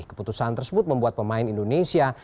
keputusan tersebut membuat pemain indonesia